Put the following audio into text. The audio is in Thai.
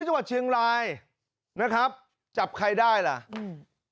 จังหวัดเชียงรายนะครับจับใครได้ล่ะอืม